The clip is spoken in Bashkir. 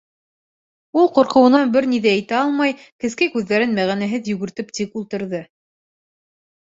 Ул, ҡурҡыуынан бер ни ҙә әйтә алмай, кескәй күҙҙәрен мәғәнәһеҙ йүгертеп тик ултырҙы.